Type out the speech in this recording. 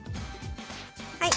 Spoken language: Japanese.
はい。